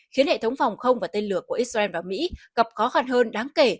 khiến hệ thống phòng không và tên lửa của israel vào mỹ gặp khó khăn hơn đáng kể